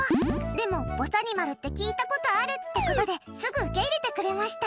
でも、ぼさにまるって聞いたことあるってことですぐ受け入れてくれました。